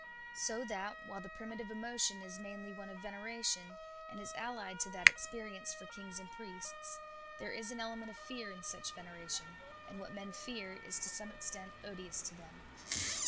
So that, while the primitive emotion is mainly one of veneration, and is allied to that experienced for kings and priests, there is an element of fear in such veneration, and what men fear is to some extent odious to them.